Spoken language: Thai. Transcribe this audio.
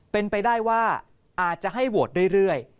เป็นไปได้ว่าอาจจะให้โหวตเรื่อย